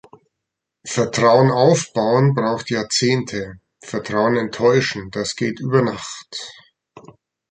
Vertrauen aufbauen braucht Jahrzehnte, Vertrauen enttäuschen, das geht über Nacht.